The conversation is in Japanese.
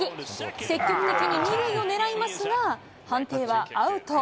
積極的に２塁を狙いますが、判定はアウト。